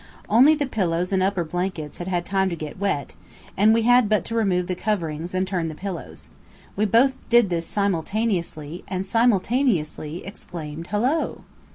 Only the pillows and upper blankets had had time to get wet, and we had but to remove the coverings and turn the pillows. We both did this simultaneously, and simultaneously exclaimed "Hullo!"